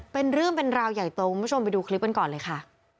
เป็นเรื่องเป็นราวใหญ่โตคุณผู้ชมไปดูคลิปกันก่อนเลยค่ะ